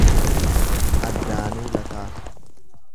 Addaanuu Lataa